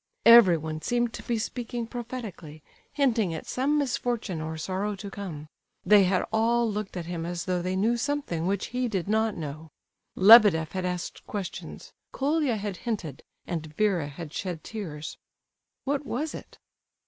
Everyone seemed to be speaking prophetically, hinting at some misfortune or sorrow to come; they had all looked at him as though they knew something which he did not know. Lebedeff had asked questions, Colia had hinted, and Vera had shed tears. What was it?